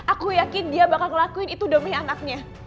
aku yakin dia bakal ngelakuin itu demi anaknya